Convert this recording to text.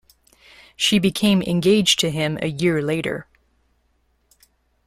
She became engaged to him a year later.